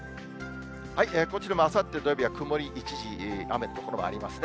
こちらもあさって土曜日は曇り一時雨の所もありますね。